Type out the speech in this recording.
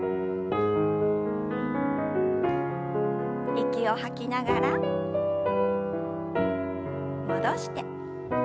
息を吐きながら戻して。